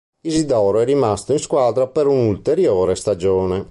Isidoro è rimasto in squadra per un'ulteriore stagione.